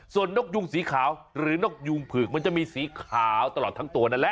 ส่วนนกยุงสีขาวหรือนกยูงผือกมันจะมีสีขาวตลอดทั้งตัวนั่นแหละ